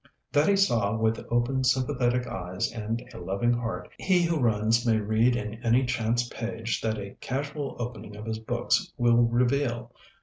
That he saw with open sympathetic eyes and a loving heart, he who runs may read in any chance page that a casual opening of his books will reveal.